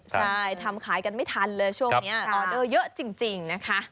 ใช่ทำขายกันไม่ทันเลยช่วงนี้ออเดอร์เยอะจริงนะคะ